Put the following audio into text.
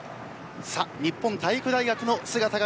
日本体育大学の姿が